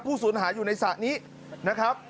ผู้ศูนย์หายอยู่ในศะนี้นะครับ